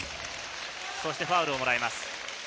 そしてファウルをもらいます。